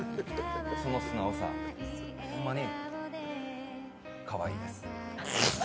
その素直さ、ほんまにかわいいです。